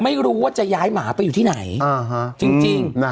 ไม่รู้ว่าจะย้ายหมาไปอยู่ที่ไหนจริง